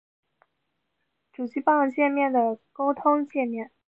主机埠介面的沟通介面。